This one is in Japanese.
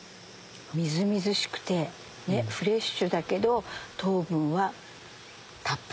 みずみずしくてフレッシュだけど糖分はたっぷり。